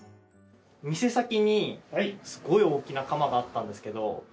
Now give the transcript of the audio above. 店先にすごい大きな釜があったんですけど。